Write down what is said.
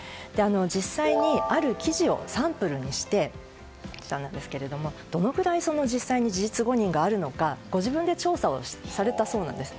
実際にある記事をサンプルにしてきたんですがどのくらい実際に事実誤認があるのかご自分で調査をされたそうなんです。